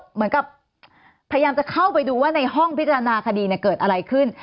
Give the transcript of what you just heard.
เหมือนกับพยายามจะเข้าไปดูว่าในห้องพิจารณาคดีเกิดอะไรขึ้น